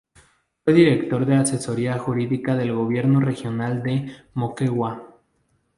Fue director de asesoría jurídica del Gobierno Regional de Moquegua.